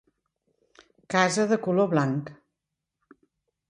Casa de color blanc.